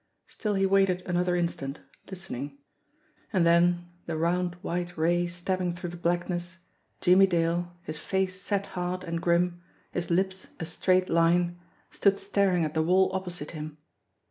Still he waited another in stant, listening; and then, the round, white ray stabbing through the blackness, Jimmie Dale, his face set hard and grim, his lips a straight line, stood staring at the wall oppo site him.